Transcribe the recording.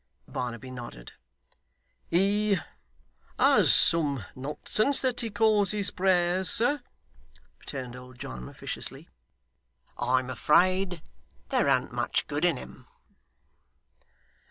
Barnaby nodded. 'He has some nonsense that he calls his prayers, sir,' returned old John, officiously. 'I'm afraid there an't much good in em.